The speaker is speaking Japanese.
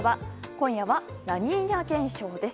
今夜はラニーニャ現象です。